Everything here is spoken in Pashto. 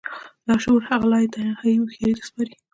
لاشعور هغه لايتناهي هوښياري ته سپاري.